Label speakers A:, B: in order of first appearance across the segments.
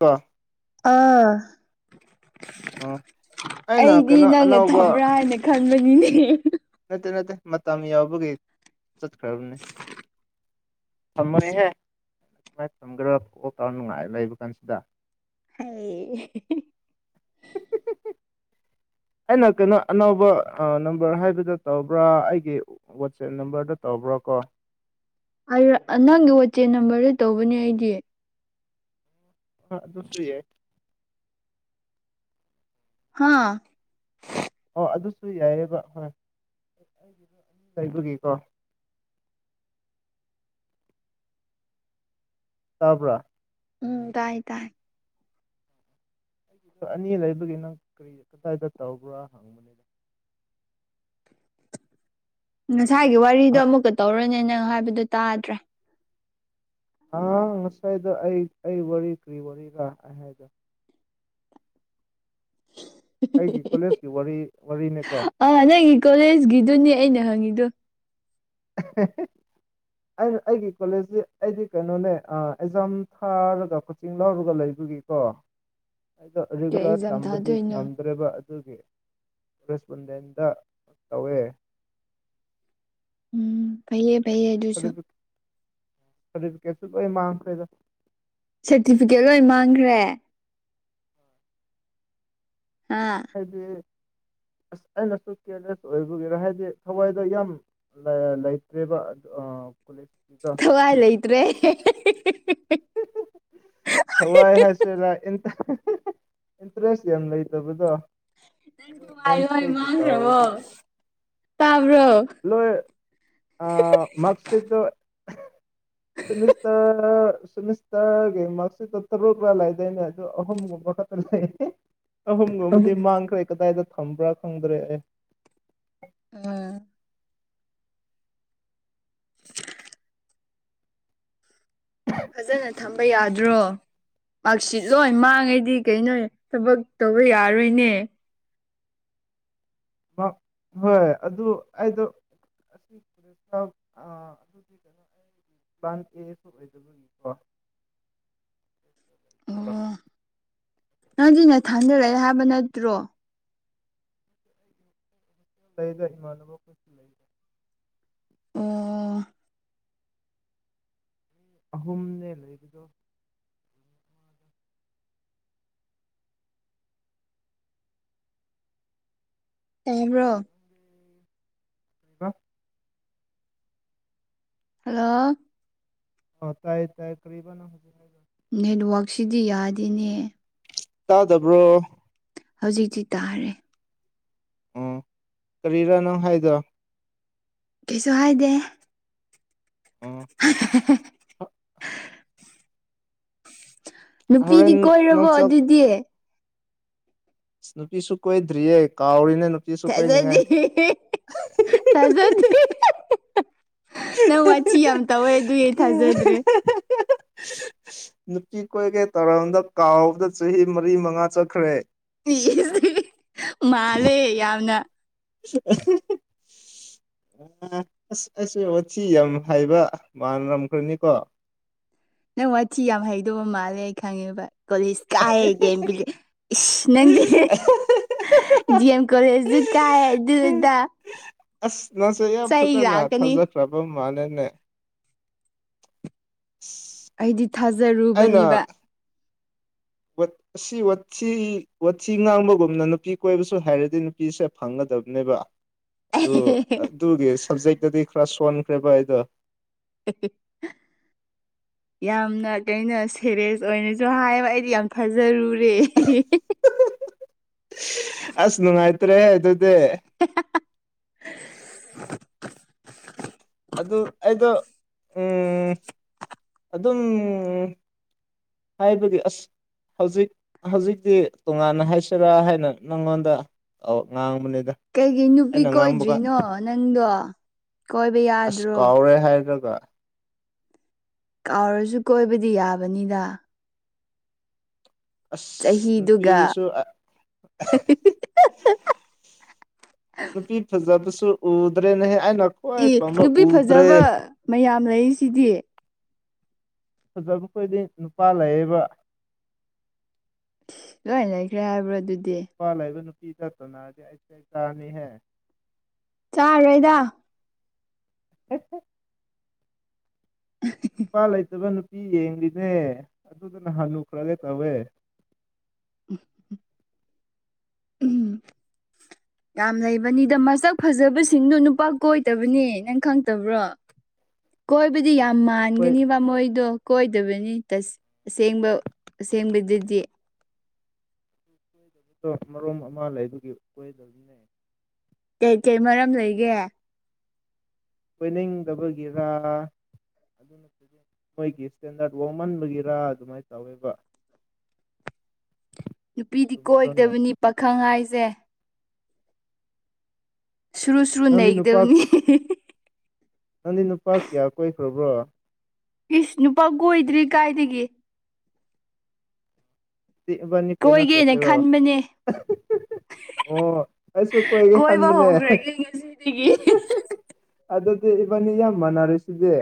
A: ꯕ
B: ꯑ
A: ꯑꯣ ꯑꯩꯅ
B: ꯑꯩꯗꯤ
A: ꯀꯩꯅꯣ
B: ꯅꯪꯅ
A: ꯑꯅꯧꯕ
B: ꯊꯝꯕ꯭ꯔꯥ ꯍꯥꯏꯅ ꯈꯟꯕꯅꯤꯅꯦ
A: ꯅꯠꯇꯦ ꯅꯠꯇꯦ ꯃꯇꯝ ꯌꯥꯎꯕꯒꯤ ꯆꯠꯈ꯭ꯔꯕꯅꯦ ꯊꯝꯃꯣꯅ‌ꯦꯍꯦ ꯃꯥꯏ ꯊꯝꯒ꯭ꯔꯥ ꯀ‌ꯣꯜ ꯇꯧꯔ ꯅꯨꯡꯉꯥꯏ ꯂꯩꯕ ꯀꯥꯟꯁꯤꯗ
B: ꯑꯦ
A: ꯑꯩꯅ ꯀꯩꯅꯣ ꯑꯅꯧꯕ ꯑꯥ ꯅꯝꯕꯔ ꯍꯥꯏꯕꯗ ꯇꯧꯕ꯭ꯔꯥ ꯑꯩꯒꯤ ꯋꯥꯆꯦꯞ ꯅꯝꯕꯔꯗ ꯇꯧꯕ꯭ꯔꯥꯀꯣ
B: ꯑꯩꯔ ꯑ ꯅꯪꯒꯤ ꯋꯥꯆꯦꯠ ꯅꯝꯕꯔꯗ ꯇꯧꯕꯅꯦ ꯑꯩꯗꯤ
A: ꯍꯣꯏ ꯑꯗꯨꯁꯨ ꯌꯥꯏ
B: ꯍꯥ
A: ꯑꯣ ꯑꯗꯨꯁꯨ ꯌꯥꯏꯌꯦꯕ ꯈꯔ ꯂꯩꯕꯒꯤꯀꯣ ꯇꯥꯕ꯭ꯔ
B: ꯎꯝ ꯇꯥꯏ ꯇꯥꯏ
A: ꯁꯨ ꯑꯅꯤ ꯂꯩꯕꯒꯤ ꯅꯪ ꯀꯔꯤ ꯀꯗꯥꯏꯗ ꯇꯧꯕ꯭ꯔꯥ ꯍꯪꯕꯅꯤꯗ
B: ꯉꯁꯥꯏꯒꯤ ꯋꯥꯔꯤꯗꯣ ꯑꯃꯨꯛꯀ ꯇꯧꯔꯅꯦ ꯅꯪ ꯍꯥꯏꯕꯗꯨ ꯇꯥꯗ꯭ꯔꯦ
A: ꯑꯥ ꯉꯁꯥꯏꯗꯣ ꯑꯩ ꯑꯩ ꯋꯥꯔꯤ ꯀ꯭ꯔꯤ ꯋꯥꯔꯤꯔ ꯑꯩ ꯍꯥꯏꯗꯣ ꯑꯩꯒꯤ ꯀꯣꯂꯦꯖꯀꯤ ꯋꯥꯔꯤ ꯋꯥꯔꯤꯅꯦꯀꯣ
B: ꯑꯥ ꯅꯪꯒꯤ ꯀꯣꯂꯦꯖꯒꯤꯗꯨꯅꯦ ꯑꯩꯅ ꯍꯪꯉꯤꯗꯨ
A: [unintelligible] ꯑꯩꯅ ꯑꯩꯒꯤ ꯀꯣꯂꯦꯖꯇꯤ ꯑꯩꯗꯤ ꯀꯩꯅꯣꯅꯦ ꯑꯥ ꯑꯦꯛꯖꯥꯝ ꯊꯥꯔꯒ ꯆꯤꯡ ꯂꯧꯔꯒ ꯂꯩꯕꯒꯤꯀꯣ
B: [inaudible]
A: ꯑꯩꯗꯣ
B: ꯀꯩ
A: ꯔꯤꯒꯨꯂꯔ
B: ꯑꯦꯛꯖꯥꯝ
A: ꯇꯝꯕꯗꯤ
B: ꯊꯥꯗꯣꯏꯅꯣ
A: ꯉꯝꯗ꯭ꯔꯦꯕ ꯑꯗꯨꯒꯤ ꯔꯦꯁꯄꯨꯟꯗꯦꯟꯗ ꯇꯧꯋꯦ
B: ꯎꯝ ꯐꯩꯌꯦ ꯄꯩꯌꯦ ꯑꯗꯨꯁꯨ
A: ꯁꯥꯔꯇꯤꯐꯤꯀꯦꯠꯁꯨ ꯂꯣꯢ ꯃꯥꯡꯈ꯭ꯔꯦꯗ
B: ꯁꯔꯇꯤꯐꯤꯀꯦꯠ ꯂꯣꯏ ꯃꯥꯡꯈ꯭ꯔꯦ ꯑꯥ
A: ꯍꯥꯏꯗꯤ ꯑꯁ ꯑꯩꯅꯁꯨ ꯀ꯭ꯌꯔꯂꯦꯁ ꯑꯣꯏꯕꯒꯤꯔ ꯍꯥꯏꯗꯤ ꯊꯋꯥꯏꯗ ꯌꯥꯝ ꯂꯥ ꯂꯩꯇ꯭ꯔꯦꯕ ꯑꯗ ꯑꯥ ꯀꯣꯂꯦꯖ
B: ꯊꯋꯥꯏ ꯂꯩꯇ꯭ꯔꯦ
A: ꯊꯋꯥꯢ ꯍꯥꯢ [unintelligible] ꯏꯟꯇ ꯏꯟꯇ꯭ꯔꯦꯁ ꯌꯥꯝ ꯂꯩꯇꯕꯗꯣ ꯑꯗꯨ
B: ꯂꯣꯏ
A: ꯅꯦꯝꯁꯦꯛꯀꯤ
B: ꯃꯥꯡꯈ꯭ꯔꯕꯣ
A: ꯇꯥꯎꯕꯒꯤ
B: ꯇꯥꯕ꯭ꯔꯣ
A: ꯂꯣꯏ ꯑꯥ ꯃꯥꯛꯁꯤꯠꯇꯣ ꯁꯦꯝꯃꯤꯁꯇꯔ ꯁꯦꯝꯃꯤꯁꯇꯔꯒꯤ ꯃꯥꯛꯁꯤꯠꯇꯣ ꯇꯔꯨꯛꯔ ꯂꯩꯗꯥꯢꯅꯦ ꯑꯗꯨ ꯑꯍꯨꯝ ꯒꯨꯝꯕ ꯈꯥꯇ ꯂꯩ
B: ꯎꯝ
A: ꯑꯍꯨꯝꯒꯨꯝꯕꯗꯤ ꯃꯥꯡꯈ꯭ꯔꯦ ꯀꯗꯥꯏꯗ ꯊꯝꯕ꯭ꯔꯥ ꯈꯪꯗ꯭ꯔꯦ ꯑꯦ
B: ꯑꯥ [inaudible] ꯐꯖꯅ ꯊꯝꯕ ꯌꯥꯗ꯭ꯔꯣ ꯃꯥꯔꯛꯁꯤꯠ ꯂꯣꯏ ꯃꯥꯡꯉꯗꯤ ꯀꯩꯅꯣ ꯊꯕꯛ ꯇꯧꯕ ꯌꯥꯔꯣꯏꯅꯦ
A: ꯃꯥ ꯍꯣꯏ ꯑꯗꯨ ꯑꯩꯗꯣ ꯑꯥ [unintelligible]
B: ꯑꯣ ꯅꯪꯗꯤ ꯅꯊꯟꯗ ꯂꯩꯌꯦ ꯍꯥꯏꯕ ꯅꯠꯇ꯭ꯔꯣ
A: ꯂꯩꯗ ꯢꯃꯥꯟꯅꯕ ꯈꯣꯢꯁꯨ ꯂꯩ
B: ꯑꯣ
A: ꯑꯍꯨꯝꯅꯦ ꯂꯩꯕꯗꯣ
B: ꯎꯕ꯭ꯔꯣ
A: ꯕꯥ
B: ꯍꯜꯂꯣ
A: ꯑꯥ ꯇꯥꯏ ꯇꯥꯏ ꯀꯔꯤꯕ ꯅꯪ ꯍꯧꯖꯤꯛ ꯍꯥꯢꯗꯣ
B: ꯅꯦꯠ ꯋꯥꯛꯁꯤꯗꯤ ꯌꯥꯗꯦꯅꯦ
A: ꯇꯥꯗꯕ꯭ꯔꯣ
B: ꯍꯧꯖꯤꯛꯇꯤ ꯇꯥꯔꯦ
A: ꯎꯝ ꯀꯔꯤꯔꯥ ꯅꯪ ꯍꯥꯏꯗꯣ
B: ꯀꯩꯁꯨ ꯍꯥꯏꯗꯦ
A: ꯎꯝ
B: ꯍꯍꯥꯍꯦꯍꯦ ꯅꯨꯄꯤꯗꯤ
A: ꯍꯣꯔꯦꯟ
B: ꯀꯣꯏꯔꯕꯣ
A: ꯅꯪ ꯆꯥꯛ
B: ꯑꯗꯨꯗꯤ
A: ꯁꯨ ꯅꯨꯄꯤꯁꯨꯨ ꯀꯣꯏꯗ꯭ꯔꯤꯌꯦ ꯀꯥꯎꯔꯦꯅꯦ ꯅꯨ
B: ꯊꯥꯖꯗꯤ ꯊꯥꯖꯗꯤ ꯍꯤꯍꯤ ꯍꯍꯥ ꯅꯪ ꯋꯥꯊꯤ ꯌꯥꯝ ꯇꯧꯋꯦ ꯑꯗꯨꯒꯤ ꯑꯩ ꯊꯥꯖꯗ꯭ꯔꯦ
A: ꯅꯨꯄꯤ ꯀꯣꯏꯒꯦ ꯇꯥꯔꯝꯕꯗꯣ ꯀꯥꯎꯕꯗ ꯆꯍꯤ ꯃꯔꯤ ꯃꯉꯥ ꯆꯠꯈ꯭ꯔꯦ
B: ꯢꯁ ꯃꯥꯜꯂꯦ ꯌꯥꯝꯅ
A: [unintelligible] ꯑꯁ ꯑꯩꯁꯦ ꯋꯥꯊꯤ ꯌꯥꯝ ꯍꯩꯕ ꯃꯥꯜꯂꯝꯈ꯭ꯔꯅꯤꯀꯣ
B: ꯅꯪ ꯋꯥꯊꯤ ꯌꯥꯝ ꯍꯩꯗꯧꯕ ꯃꯥꯜꯂꯦ ꯑꯩ ꯈꯪꯉꯦꯕ ꯀꯣꯂꯦꯖ ꯀꯥꯏ ꯒꯦꯝ ꯕꯤꯂꯦ ꯏꯁ ꯅꯪꯖꯦ ꯗꯤ ꯑꯦꯝ ꯀꯣꯂꯦꯖꯇ ꯀꯥꯏ ꯑꯗꯨ ꯑꯗꯥ
A: ꯑꯁ ꯅꯪꯁꯨ ꯌꯥꯝ ꯐꯖꯥꯅ
B: ꯂꯥꯛꯀꯅꯤ
A: ꯐꯖꯥꯈ꯭ꯔꯕ ꯃꯥꯜꯂꯦꯅꯦ [inaudible]
B: ꯑꯩꯗꯤ ꯊꯥꯖꯔꯨꯕꯅꯤꯕ
A: ꯋꯠ ꯑꯁꯤꯋꯠ ꯁꯤ ꯋꯥꯊꯤ ꯉꯥꯡꯕꯒꯨꯝꯅ ꯅꯨꯄꯤ ꯀꯣꯏꯕꯁꯨ ꯍꯩꯔꯗꯤ ꯅꯨꯄꯤꯁꯦ ꯐꯪꯒꯗꯕꯅꯦꯕ ꯑꯗꯨ ꯑꯗꯨꯒꯤ ꯁꯞꯖꯦꯛꯇꯗꯤ ꯈꯔ ꯁꯣꯟꯈ꯭ꯔꯦꯕ ꯑꯩꯗꯣ
B: ꯍꯦꯍꯦ ꯌꯥꯝꯅ ꯀꯩꯅꯣ ꯁꯦꯔꯦꯁ ꯑꯣꯏꯅꯁꯨ ꯍꯥꯏꯕ ꯑꯩꯗꯤ ꯌꯥꯝ ꯊꯖꯔꯨꯔꯦ
A: ꯑꯁ ꯅꯨꯡꯉꯥꯏꯇ꯭ꯔꯦ ꯑꯗꯨꯗꯤ
B: [inaudible]
A: ꯑꯗꯨ ꯑꯩꯗꯣ ꯎꯝ ꯑꯗꯨꯝ ꯍꯥꯏꯕꯗꯤ ꯑꯁ ꯍꯧꯖꯤꯛ ꯍꯧꯖꯤꯛꯇꯤ ꯇꯣꯉꯥꯟꯅ ꯍꯥꯏꯁꯦꯔꯥ ꯍꯥꯏꯅ ꯅꯪꯉꯣꯟꯗ ꯑꯧ ꯉꯥꯡꯕꯅꯦꯗ
B: ꯀꯩꯒꯤ ꯅꯨꯄꯤ ꯀꯣꯏꯗ꯭ꯔꯤꯅꯣ ꯅꯪꯗꯣ ꯀꯣꯏꯕ ꯌꯥꯗ꯭ꯔꯣ
A: ꯄꯣꯔꯦ ꯍꯥꯏꯔꯒ
B: ꯀꯥꯎꯔꯁꯨ ꯀꯣꯏꯕꯗꯤ ꯌꯥꯕꯅꯤꯗ
A: ꯑꯁ
B: ꯆꯍꯤꯗꯨꯒ
A: ꯅꯨꯄꯤꯁꯨ ꯑꯥ ꯅꯨꯄꯤ ꯐꯖꯕꯁꯨ ꯎꯗ꯭ꯔꯦꯅꯦꯍꯦ ꯑꯩꯅ ꯈ꯭ꯋꯥꯏ
B: ꯢ
A: ꯄꯥꯝꯕ
B: ꯅꯨꯄꯤ
A: ꯎꯗ꯭ꯔꯦ
B: ꯐꯖꯕ ꯃꯌꯥꯝ ꯂꯩꯔꯤꯁꯤꯗꯤ
A: ꯐꯖꯕ ꯈꯣꯏꯗꯤꯡ ꯅꯨꯄꯥ ꯂꯩꯌꯦꯕ
B: ꯂꯣꯏ ꯂꯩꯈ꯭ꯔꯦ ꯍꯥꯏꯕ꯭ꯔ ꯑꯗꯨꯗꯤ
A: ꯅꯨꯄꯥ ꯂꯩꯕ ꯅꯨꯄꯤ ꯗꯞ ꯊꯧꯅꯔꯗꯤ ꯑꯩ ꯆꯥꯅꯤꯍꯦ
B: ꯆꯥꯔꯣꯏꯗ
A: [unintelligible] ꯅꯨꯄꯥ ꯂꯩꯇꯕ ꯅꯨꯄꯤ ꯌꯦꯡꯂꯤꯅꯦ ꯑꯗꯨꯗ ꯅꯍꯥꯟ ꯂꯨꯈ꯭ꯔꯒꯦ ꯇꯧꯋꯦ
B: [unintelligible] ꯎꯝ ꯌꯥꯝ ꯂꯩꯕꯅꯤꯗ ꯃꯁꯛ ꯐꯖꯕꯁꯤꯡꯗꯨ ꯅꯨꯄꯥ ꯀꯣꯏꯗꯕꯅꯦ ꯅꯪ ꯈꯪꯇꯕ꯭ꯔꯣ ꯀꯣꯏꯕꯗꯤ ꯌꯥꯝ
A: ꯍꯣꯏ
B: ꯃꯥꯟꯒꯅꯤꯕ ꯃꯣꯏꯗꯨ ꯀꯣꯏꯗꯕꯅꯤ ꯇꯁ ꯑꯁꯦꯡꯕ ꯑꯁꯦꯡꯕꯗꯗꯤ
A: ꯑꯗꯣ ꯃꯔꯣꯝ ꯑꯃ ꯂꯩꯕꯒꯤ ꯀꯣꯏꯗꯕꯅꯦ
B: ꯀꯩ ꯀꯩ ꯃꯔꯝ ꯂꯩꯒꯦ
A: ꯀꯣꯏꯅꯤꯡꯗꯕꯒꯤꯔꯥ ꯃꯣꯏꯒꯤ ꯁꯇꯦꯟꯗꯔꯠ ꯋꯥꯡꯃꯟꯕꯒꯤꯔꯥ ꯑꯗꯨꯃꯥꯏꯅ ꯇꯧꯋꯦꯕ
B: ꯅꯨꯄꯤꯗꯤ
A: ꯆꯨꯝꯗ꯭ꯔꯣꯅꯦ
B: ꯀꯣꯏꯒꯗꯕꯅꯤ ꯄꯥꯈꯪ ꯍꯥꯏꯁꯦ ꯁꯨꯔꯨ ꯁꯨꯔꯨ
A: ꯅꯪꯗꯤ ꯅꯨꯄꯥ
B: ꯅꯩꯒꯗꯕꯅꯤ
A: ꯅꯪꯗꯤ ꯅꯨꯄꯥ ꯀꯌꯥ ꯀꯣꯏꯈ꯭ꯔꯕ꯭ꯔꯣ
B: ꯏꯁ ꯅꯨꯄꯥ ꯀꯣꯏꯗ꯭ꯔꯤ ꯀꯥꯏꯗꯒꯤ
A: ꯗꯤ ꯢꯕꯥꯅꯤ
B: ꯀꯣꯏꯒꯦꯅ
A: ꯀꯣꯢꯅꯈ꯭ꯔꯁꯦꯔꯣ
B: ꯈꯟꯕꯅꯦ
A: ꯑꯣ ꯑꯩꯁꯨ ꯀꯣꯏꯒꯦ
B: ꯀꯣꯏꯕ
A: ꯈꯟꯕꯅꯦ
B: ꯍꯧꯈ꯭ꯔꯒꯦ ꯉꯁꯤꯗꯒꯤ
A: ꯑꯗꯨꯗꯤ ꯏꯕꯥꯅꯤ ꯌꯥꯝ ꯃꯥꯟꯅꯔꯤꯁꯤꯗꯤ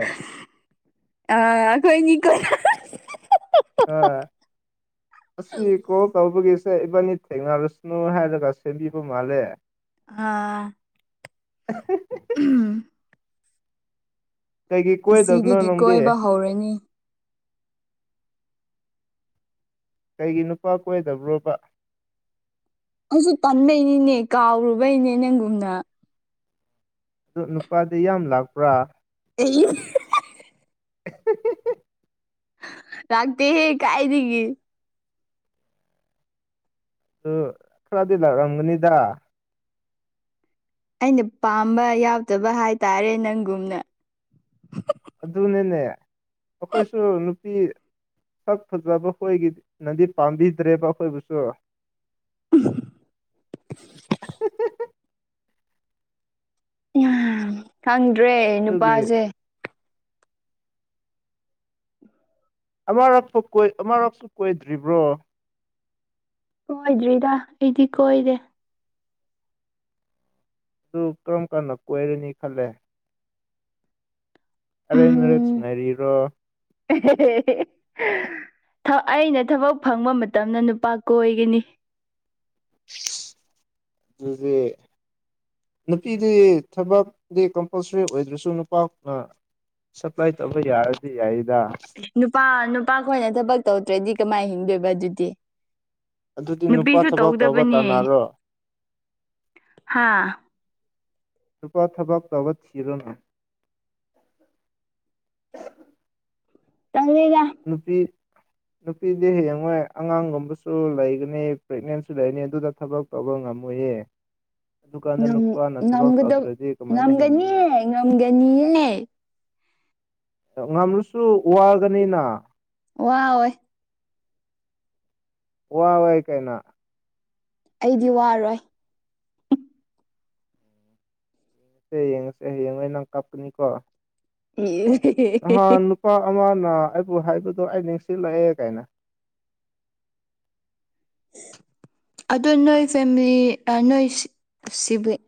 B: ꯑꯥ ꯑꯩꯇꯣꯏꯅꯤ ꯀꯣꯏꯅ [unintelligible]
A: ꯍꯣꯏ
B: [inaudible]
A: ꯑꯁꯤ ꯀꯣꯜ ꯇꯧꯕꯒꯤꯁꯦ ꯏꯕꯥꯟꯅꯤ ꯊꯦꯡꯅꯥꯔꯁꯅꯨ ꯍꯥꯏꯔꯒ ꯁꯦꯝꯕꯤꯕ ꯃꯥꯜꯂꯦ
B: ꯑꯥ
A: [unintelligible]
B: ꯎꯝ
A: ꯀꯩꯒꯤ ꯀꯣꯏꯗꯕꯅꯣ
B: ꯉꯁꯤꯗꯒꯤ
A: ꯅꯪꯗꯤ
B: ꯀꯣꯏꯕ ꯍꯧꯔꯅꯤ
A: ꯀꯩꯒꯤ ꯅꯨꯄꯥ ꯀꯣꯏꯗꯕ꯭ꯔꯣꯕ
B: ꯍꯧꯖꯤꯛ ꯄꯟꯕꯩꯅꯤꯅꯦ ꯀꯥꯎꯔꯨꯕꯩꯅꯦ ꯅꯪꯒꯨꯝꯅ
A: ꯑꯗ ꯅꯨꯄꯥꯗꯤ ꯌꯥꯝ ꯂꯥꯛꯄ꯭ꯔꯥ
B: ꯑꯩ [unintelligible]
A: [unintelligible]
B: ꯂꯥꯛꯇꯦ ꯍꯦ ꯀꯥꯏꯗꯒꯤ
A: ꯑꯗꯣ ꯈꯔꯗꯤ ꯂꯥꯛꯑꯝꯒꯅꯤꯗ
B: ꯑꯩꯅ ꯄꯥꯝꯕ ꯌꯥꯎꯗꯕ ꯍꯥꯏꯇꯥꯔꯦ ꯅꯪꯒꯨꯝꯅ
A: ꯑꯗꯨꯅꯤꯅꯦ ꯑꯩꯈꯣꯏꯁꯨ ꯅꯨꯄꯤ ꯁꯛ ꯐꯖꯕ ꯑꯩꯈꯣꯏꯒꯤ ꯅꯗꯤ ꯄꯥꯝꯕꯤꯗ꯭ꯔꯦꯕ ꯑꯩꯈꯣꯏꯕꯨꯁꯨ
B: [inaudible] ꯌꯥꯝ ꯈꯪꯗ꯭ꯔꯦ
A: ꯑꯗꯨꯒꯤ
B: ꯅꯨꯄꯥꯖꯦ
A: ꯑꯃꯔꯛ ꯐꯥꯎ ꯀꯣꯏ ꯑꯃꯔꯛꯁꯨ ꯀꯣꯏꯗ꯭ꯔꯤꯕ꯭ꯔꯣ
B: ꯀꯣꯏꯗ꯭ꯔꯤꯗ ꯑꯩꯗꯤ ꯀꯣꯏꯔꯦ
A: ꯑꯗꯨꯨ ꯀꯔꯝ ꯀꯥꯟꯗ ꯀꯣꯏꯔꯅꯤ ꯈꯜꯂꯦ ꯑꯔꯦꯟꯖ ꯃꯔꯦꯁ
B: ꯎꯝ
A: ꯉꯥꯏꯔꯤꯔꯣ
B: [inaudible] ꯊ ꯑꯩꯅ ꯊꯕꯛ ꯐꯪꯕ ꯃꯇꯝꯗ ꯅꯨꯄꯥ ꯀꯣꯏꯒꯅꯤ
A: ꯗꯨꯗꯤ ꯅꯨꯄꯤꯗꯤ ꯊꯕꯛꯇꯗꯤ ꯀꯝꯄꯜꯁꯔꯤ ꯑꯣꯏꯗ꯭ꯔꯥꯁꯨ ꯅꯨꯄꯥꯅ ꯁꯄ꯭ꯂꯥꯏ ꯇꯧꯕ ꯌꯥꯔꯗꯤ ꯌꯥꯏꯗ
B: ꯅꯨꯄꯥ ꯅꯨꯄꯥ ꯈꯣꯏꯅ ꯊꯕꯛ ꯇꯧꯗ꯭ꯔꯥꯗꯤ ꯀꯃꯥꯏ ꯍꯤꯡꯗꯣꯏꯕ ꯑꯗꯨꯗꯤ
A: ꯑꯗꯨꯗꯤ ꯅꯨꯄꯥ
B: ꯅꯨꯄꯤꯁꯨ
A: ꯊꯕꯛ ꯇꯧꯕ
B: ꯇꯧꯗꯕꯅꯦ
A: ꯇꯥꯟꯅꯔꯣ
B: ꯍꯥ
A: ꯅꯨꯄꯥ ꯊꯕꯛ ꯇꯧꯕ ꯊꯤꯔꯨꯅꯨ
B: ꯇꯜꯂꯤꯗ
A: ꯅꯨꯄꯤ ꯅꯨꯄꯤꯗꯤ ꯍꯌꯦꯡꯋꯥꯏ ꯑꯉꯥꯡꯒꯨꯝꯕꯁꯨ ꯂꯩꯒꯅꯤ ꯄ꯭ꯔꯦꯒꯅꯦꯟꯁꯨ ꯂꯩꯒꯅꯤ ꯑꯗꯨꯅ ꯊꯕꯛ ꯇꯧꯕ ꯉꯝꯃꯣꯏꯌꯦ ꯑꯗꯨꯀꯥꯟꯗ
B: ꯉꯝ
A: ꯅꯨꯄꯥꯅ ꯊꯕꯛ
B: ꯉꯝꯒꯗꯧ
A: ꯇꯧꯗ꯭ꯔꯗꯤ ꯀꯃꯥꯏꯅ ꯍꯤꯡꯒꯅꯤ
B: ꯉꯝꯒꯅꯤꯌꯦ ꯉꯝꯒꯅꯤꯌꯦ
A: ꯉꯝꯂꯁꯨ ꯋꯥꯒꯅꯤꯅ
B: ꯋꯥꯑꯣꯏ
A: ꯋꯥꯑꯣꯏ ꯀꯥꯏꯅ
B: ꯑꯩꯗꯤ ꯋꯥꯔꯣꯏ
A: ꯁꯦ ꯌꯦꯡꯉꯁꯦ ꯍꯌꯦꯡꯋꯥꯏ ꯅꯪ ꯀꯞꯀꯅꯤꯀꯣ
B: ꯏꯁ
A: ꯅꯨꯄꯥ ꯑꯃꯅ ꯑꯩꯕꯨ ꯍꯥꯏꯕꯗꯣ ꯑꯩ ꯅꯤꯡꯁꯤꯡꯂꯛꯑꯦ ꯀꯥꯏꯅ
B: ꯑꯗꯨ ꯅꯣꯏ ꯐꯦꯃꯤꯂꯤ ꯑꯥ ꯅꯣꯏ ꯁꯤ ꯁꯤꯕꯤꯂꯤꯡ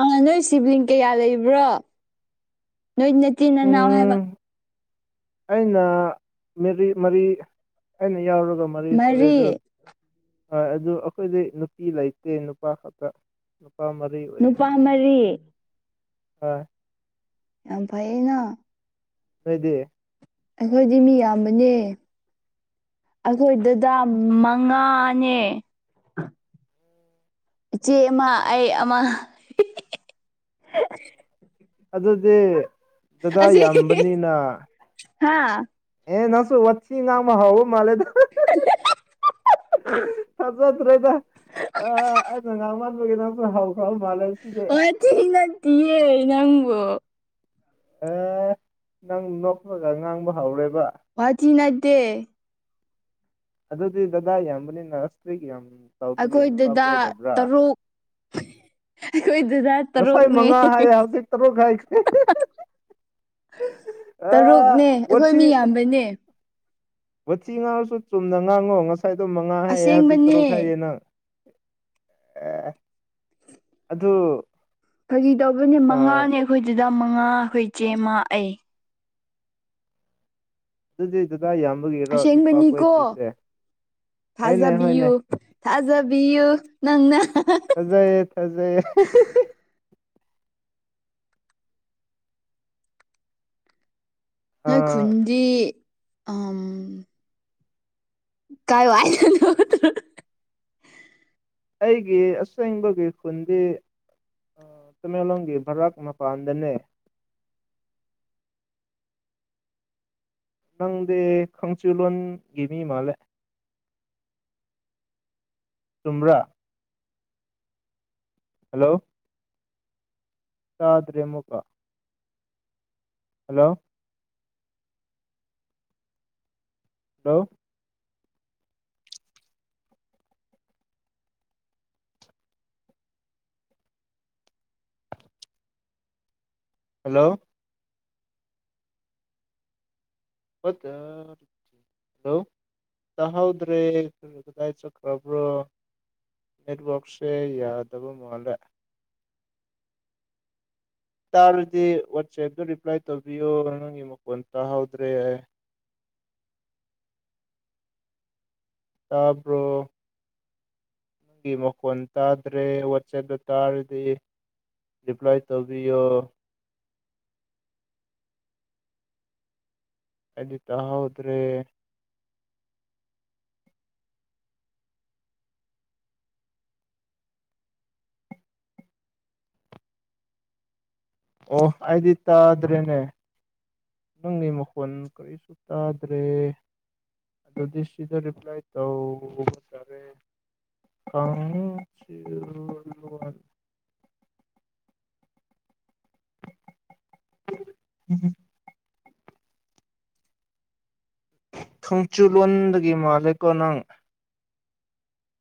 B: ꯑ ꯅꯣꯏ ꯁꯤꯕꯤꯂꯤꯡ ꯀꯌꯥ ꯂꯩꯕ꯭ꯔꯣ ꯅꯣꯏ ꯅꯆꯤꯟ ꯅꯅꯥꯎ ꯍꯥꯏꯕ
A: ꯎꯝ ꯑꯩꯅ ꯃꯔꯤ ꯃꯔꯤ ꯑꯩꯅ ꯌꯥꯎꯔꯒ ꯃꯔꯤꯁꯨꯔꯦ ꯗꯨ
B: ꯃꯔꯤ
A: ꯑꯥ ꯑꯗꯨ ꯑꯩꯈꯣꯏꯗꯤ ꯅꯨꯄꯤ ꯂꯩꯇꯦ ꯅꯨꯄꯥ ꯈꯛꯇ ꯅꯨꯄꯥ ꯃ ꯔꯤ ꯑꯣꯏꯌꯦ
B: ꯅꯨꯄꯥ ꯃꯔꯤ
A: ꯍꯣꯏ
B: ꯌꯥꯝ ꯐꯩꯩꯌꯦꯅ
A: ꯅꯣꯏꯗꯤ
B: ꯑꯩꯈꯣꯏꯗꯤ ꯃꯤ ꯌꯥꯝꯕꯅꯦ ꯑꯩꯈꯣꯏ ꯗꯥꯗꯥ ꯃꯪꯉꯥꯅꯦ ꯏꯆꯦ ꯑꯃꯥ ꯑꯩ ꯑꯃꯥ
A: ꯑꯗꯨꯗꯤ ꯗꯗꯥ
B: ꯑꯁꯤ
A: ꯌꯥꯝꯕꯅꯤꯅ
B: ꯍꯥꯥ
A: ꯑꯦ ꯅꯪꯁꯨ ꯋꯥꯠꯊꯤ ꯉꯥꯡꯕ ꯍꯧꯔ ꯃꯥꯜꯂꯦꯗ ꯊꯥꯖꯗ꯭ꯔꯦꯗ ꯑꯥ ꯑꯩꯩꯅ ꯉꯥꯡꯃꯥꯟ ꯄꯒꯤ ꯅꯪꯁꯨ ꯍꯧꯈ꯭ꯔꯥꯕ ꯃꯥꯜꯂꯦ ꯉꯁꯤꯗꯤ
B: ꯁꯤ ꯅꯠꯇꯤꯌꯦ ꯅꯪꯕꯨ
A: ꯑꯦ ꯅꯪ ꯅꯣꯛꯂꯒ ꯉꯥꯡꯕ ꯍꯧꯔꯦꯕ
B: ꯋꯥꯊꯤ ꯅꯠꯇꯦ
A: ꯑꯗꯨꯗꯤ ꯗꯗꯥ ꯌꯥꯝꯕꯅꯤꯅ [unintelligible]
B: ꯑꯩꯈꯣꯏ
A: ꯅꯨꯄꯥ
B: ꯗꯨꯗꯥ
A: ꯀꯣꯏꯗꯕ꯭ꯔꯥ
B: ꯇꯥꯔꯨꯛ ꯑꯩꯈꯣꯏ ꯗꯥꯗꯥꯥ
A: ꯉꯁꯥꯏ
B: ꯇꯥꯔꯨꯛꯅꯦ
A: ꯃꯉꯥ ꯍꯥꯏꯌꯦ ꯍꯧꯖꯤꯛ ꯇꯔꯨꯛ ꯍꯥꯏꯈ꯭ꯔꯦ ꯑ
B: ꯇꯥꯔꯨꯛꯅꯦ ꯑꯩꯈꯣꯏ ꯃꯤ ꯌꯥꯝꯕꯅꯦ
A: ꯋꯥꯠꯊꯤ ꯉꯥꯡꯔꯁꯨ ꯆꯨꯝꯅ ꯉꯥꯡꯉꯣ ꯉꯁꯥꯏꯗꯣ ꯃꯉꯥ ꯍꯥꯏꯑꯦ ꯍꯧꯖꯤꯛ ꯇꯔꯨꯛ ꯍꯥꯏꯌꯦ
B: ꯑꯁꯦꯡꯕꯅꯦ
A: ꯅꯪ ꯑꯦ ꯑꯗꯨ
B: ꯐꯒꯤ ꯇꯧꯕꯅꯦ
A: ꯑ
B: ꯃꯉꯥꯅꯦ ꯑꯩꯈꯣꯏ ꯗꯥꯗꯥ ꯃꯉꯥ ꯑꯩꯈꯣꯏ ꯏꯆꯦ ꯑꯃꯥ ꯑꯩ
A: ꯑꯗꯨꯗꯤ ꯗꯥꯗꯥ ꯌꯥꯝꯕꯒꯤꯔꯣ ꯅꯨꯄꯥ ꯀꯣꯏꯗ꯭ꯔꯤꯁꯦ ꯍꯣꯏꯅꯦ ꯍꯣꯏꯅꯦ
B: ꯊꯥꯖꯥꯕꯤꯌꯨ ꯊꯥꯖꯥꯕꯤꯌꯨ ꯅꯪꯅ
A: ꯑꯖꯩꯌꯦ ꯑ
B: ꯅꯣꯏ ꯈꯨꯟꯗꯤ ꯑꯝ ꯀꯥꯏ ꯋꯥꯏꯗꯅꯣ
A: ꯑꯩꯒꯤ ꯑꯁꯦꯡꯕꯒꯤ ꯈꯨꯟꯗꯤ ꯇꯃꯦꯡꯂꯣꯡꯒꯤ ꯚꯔꯛ ꯃꯄꯥꯟꯗꯅꯦ ꯅꯪꯗꯤ ꯈꯪꯆꯨꯂꯣꯟꯒꯤ ꯃꯤ ꯃꯥꯜꯂꯦ ꯆꯨꯝꯕ꯭ꯔꯥ ꯍꯜꯂꯣ ꯇꯥꯗ꯭ꯔꯦ ꯑꯃꯨꯛꯀꯥ ꯍꯜꯂꯣ ꯍꯜꯂꯣ ꯍꯜꯂꯣ ꯋꯠꯇꯥ ꯍꯜꯂꯣ ꯇꯥꯍꯧꯗ꯭ꯔꯦ ꯀꯗꯥꯏ ꯆꯠꯈ꯭ꯔꯥꯕ꯭ꯔꯣ ꯅꯦꯠꯋꯥꯛꯁꯦ ꯌꯥꯗꯕ ꯃꯥꯜꯂꯦ ꯇꯥꯔꯗꯤ ꯋꯥꯆꯦꯞꯇ ꯔꯤꯄ꯭ꯂꯥꯏ ꯇꯧꯕꯤꯌꯣ ꯅꯪꯒꯤ ꯃꯈꯣꯟ ꯇꯥꯍꯧꯗ꯭ꯔꯦ ꯇꯥꯕ꯭ꯔꯣ ꯒꯤ ꯃꯈꯣꯟ ꯇꯥꯗ꯭ꯔꯦ ꯋꯥꯆꯦꯞꯇ ꯇꯥꯔꯗꯤ ꯔꯤꯄ꯭ꯂꯥꯏ ꯇꯧꯕꯤꯌꯣ ꯑꯩꯗꯤ ꯇꯥꯍꯧꯗ꯭ꯔꯦ ꯑꯣ ꯑꯩꯗꯤ ꯇꯥꯗ꯭ꯔꯦꯅꯦ ꯅꯪꯒꯤ ꯃꯈꯣꯟ ꯀꯔꯤꯁꯨ ꯇꯥꯗ꯭ꯔꯦ ꯅꯣꯗꯤꯁꯤꯗ ꯔꯤꯄ꯭ꯂꯥꯏ ꯇꯧꯗꯔꯦ [unintelligible] [inaudible] ꯊꯣꯡꯆꯨꯂꯣꯟꯗꯒꯤ ꯃꯥꯜꯂꯦꯀꯣ ꯅꯪ